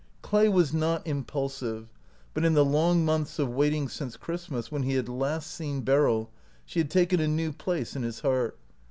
Clay was not impulsive, but in the long months of waiting since Christmas, when he had last seen Beryl, she had taken a new place in his heart.